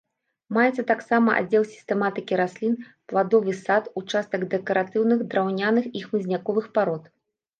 Маецца таксама аддзел сістэматыкі раслін, пладовы сад, участак дэкаратыўных драўняных і хмызняковых парод.